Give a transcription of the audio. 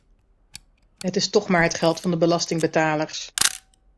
Het is toch maar het geld van de belastingbetalers.